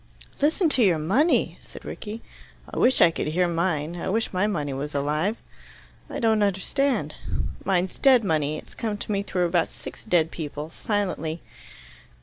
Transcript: "Listen to your money!" said Rickie. "I wish I could hear mine. I wish my money was alive." "I don't understand." "Mine's dead money. It's come to me through about six dead people silently."